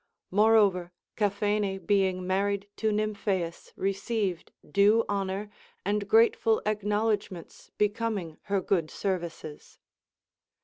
Moreover, Caphene being married to Nymphaeus received due honor and grateful acknowledgments becoming her good services.